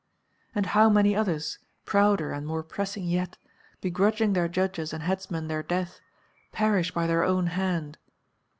And how many others, prouder and more pressing yet, begrudging their judges and headsmen their death, perish by their own hand!